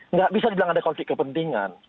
nggak bisa dibilang ada konflik kepentingan